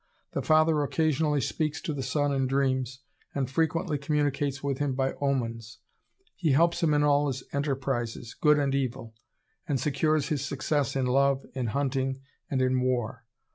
The father occasionally speaks to the son in dreams, and frequently communicates with him by omens. He helps him in all his enterprises, good and evil, and secures his success in love, in hunting, and in war.